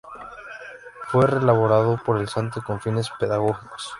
Fue reelaborado por el santo con fines pedagógicos.